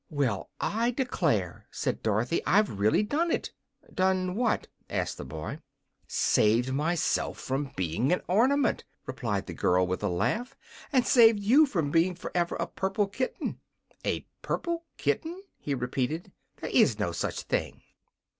"Well, I declare!" said Dorothy. "I've really done it." "Done what?" asked the boy. "Saved myself from being an ornament," replied the girl, with a laugh, "and saved you from being forever a purple kitten." "A purple kitten?" he repeated. "There IS no such thing."